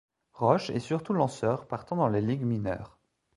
Roach est surtout lanceur partant dans les ligues mineures.